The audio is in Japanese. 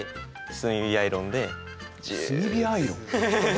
炭火アイロン。